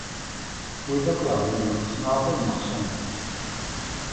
Wid akk iɛebbden lmeṣnuɛat, ad nneḥcamen.